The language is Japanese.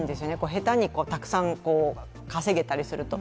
下手にたくさん稼げたりすると。